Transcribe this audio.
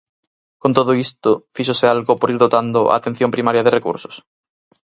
Con todo isto, ¿fíxose algo por ir dotando a atención primaria de recursos?